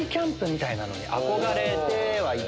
憧れてはいて。